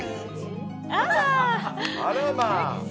あらまあ。